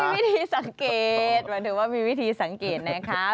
เขาก็มีวิธีสังเกตมันถือว่ามีวิธีสังเกตนะคะ